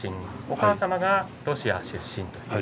お母様がロシアの出身です。